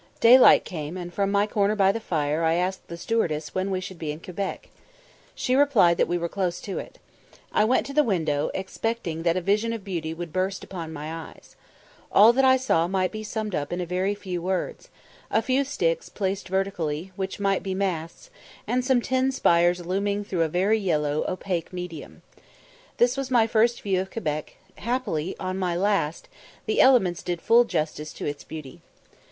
Daylight came, and from my corner by the fire I asked the stewardess when we should be in sight of Quebec? She replied that we were close to it. I went to the window, expecting that a vision of beauty would burst upon my eyes. All that I saw might be summed up in very few words a few sticks placed vertically, which might be masts, and some tin spires looming through a very yellow, opaque medium. This was my first view of Quebec; happily, on my last the elements did full justice to its beauty.